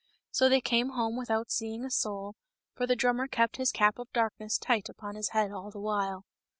So they came home without seeing a soul, for the drummer kept his cap of darkness tight upon his head all the while.